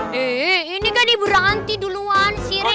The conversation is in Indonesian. hei ini kan ibu ranti duluan sih rek